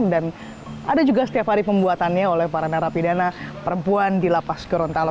dan ada juga setiap hari pembuatannya oleh para narapidana perempuan di lapas gorontalo